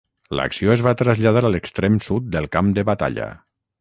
L'acció es va traslladar a l'extrem sud del camp de batalla.